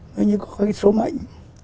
nói như có cái số mệnh